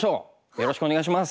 よろしくお願いします。